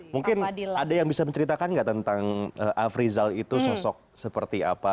mungkin ada yang bisa menceritakan nggak tentang afrizal itu sosok seperti apa